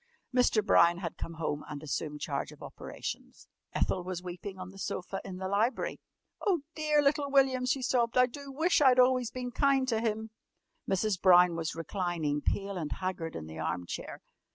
Mr. Brown had come home and assumed charge of operations. Ethel was weeping on the sofa in the library. "Oh, dear little William!" she sobbed. "I do wish I'd always been kind to him!" Mrs. Brown was reclining, pale and haggard, in the arm chair.